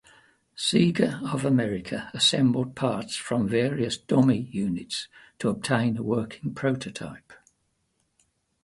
Sega of America assembled parts from various "dummy" units to obtain a working prototype.